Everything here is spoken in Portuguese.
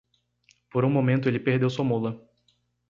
Por um momento ele perdeu sua mula.